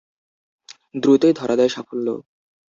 দ্রুতই ধরা দেয় সাফল্য।